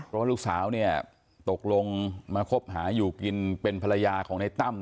เพราะว่าลูกสาวเนี่ยตกลงมาคบหาอยู่กินเป็นภรรยาของในตั้ม